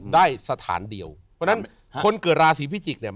ได้สถานเดียวเพราะฉะนั้นคนเกิดราศีพิจิกเนี่ย